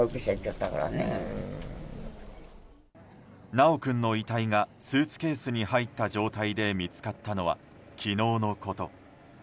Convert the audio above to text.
修君の遺体がスーツケースに入った状態で見つかったのは昨日のこと。